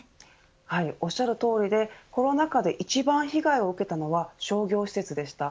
はい、おっしゃるとおりでコロナ禍で一番被害を受けたのは商業施設でした。